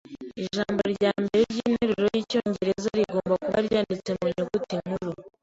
Ijambo ryambere ryinteruro yicyongereza rigomba kuba ryanditse mu nyuguti nkuru.